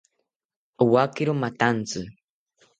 Owakiro mathantzi